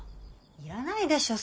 いらないでしょ